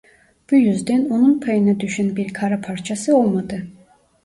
Bu yüzden onun payına düşen bir kara parçası olmadı.